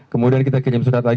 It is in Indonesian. kemudian kita kirim lagi surat